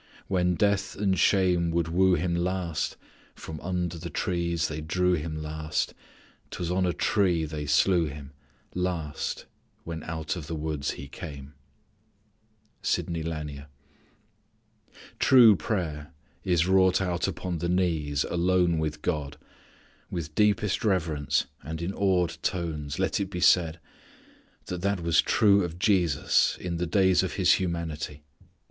When death and shame would woo Him last From under the trees they drew Him last 'Twas on a tree they slew Him last When out of the woods He came." True prayer is wrought out upon the knees alone with God. With deepest reverence, and in awed tones, let it be said, that that was true of Jesus in the days of His humanity.